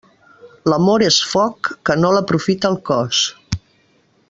L'amor és foc que no l'aprofita el cos.